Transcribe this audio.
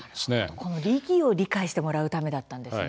この意義を理解してもらうためだったんですね。